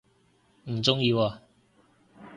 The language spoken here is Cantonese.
唔鍾意喎